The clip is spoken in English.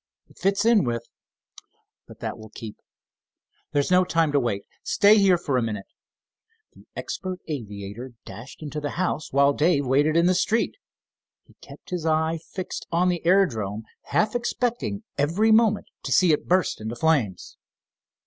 It fits in with—but that will keep. There is no time to wait. Stay here for a minute." The expert aviator dashed into the house, while Dave waited in the street. He kept his eye fixed on the aerodrome, half expecting every moment to see it burst into flames.